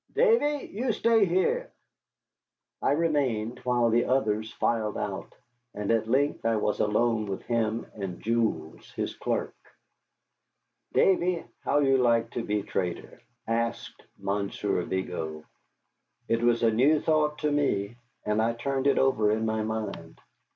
Davy, you stay here." I remained, while the others filed out, and at length I was alone with him and Jules, his clerk. "Davy, how you like to be trader?" asked Monsieur Vigo. It was a new thought to me, and I turned it over in my mind.